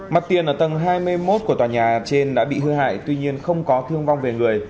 mặt tiền ở tầng hai mươi một của tòa nhà trên đã bị hư hại tuy nhiên không có thương vong về người